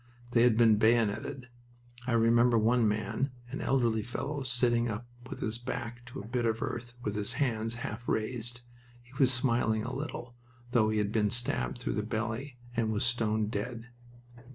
They had been bayoneted. I remember one man, an elderly fellow sitting up with his back to a bit of earth with his hands half raised. He was smiling a little, though he had been stabbed through the belly and was stone dead.